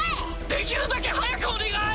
できるだけ早くお願い！